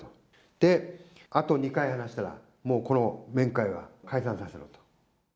で、あと２回話したら、もうこの面会は解散させろと。